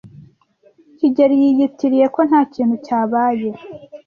kigeli yiyitiriye ko nta kintu cyabaye.